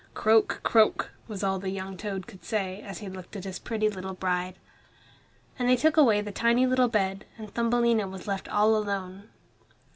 "Croak, croak," was all the young toad could say, as he looked at his pretty little bride. Then they took away the tiny little bed, and Thumbelina was left all alone.